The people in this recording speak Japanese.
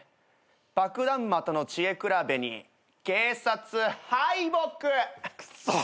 「爆弾魔との知恵比べに警察敗北」くそっ！